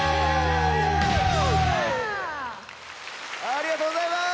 ありがとうございます！